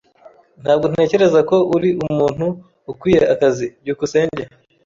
Ntabwo ntekereza ko uri umuntu ukwiye akazi. byukusenge